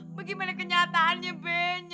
bagaimana kenyataannya benya